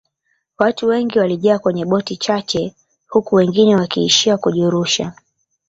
watu wengi walijaa kwenye boti chache huku wengine wakiishia kujirusha